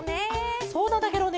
あっそうなんだケロね。